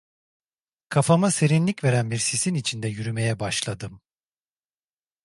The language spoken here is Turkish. Kafama serinlik veren bir sisin içinde yürümeye başladım.